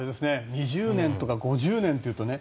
２０年とか５０年というとね